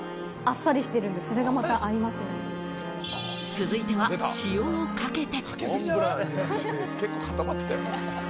続いては塩をかけて。